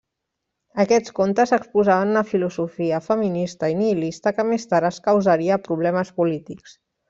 Aquests contes exposaven una filosofia feminista i nihilista que més tard els causaria problemes polítics.